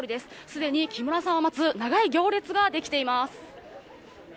すでに木村さんを待つ長い行列ができています。